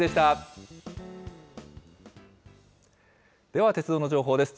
では鉄道の情報です。